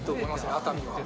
熱海は。